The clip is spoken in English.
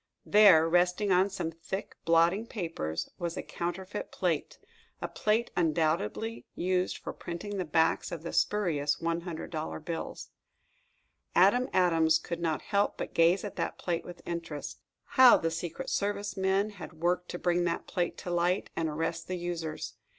There, resting on some thick blotting paper, was a counterfeit plate a plate undoubtedly used for printing the backs of the spurious $100 bills! Adam Adams could not help but gaze at that plate with interest. How the Secret Service men had worked to bring that plate to light, and arrest the users!